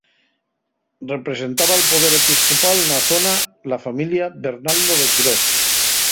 Representaba'l poder episcopal na zona la familia Bernaldo de Quirós.